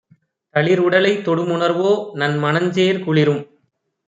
தளிருடலைத் தொடும்உணர்வோ நன்மணஞ்சேர் குளிரும்!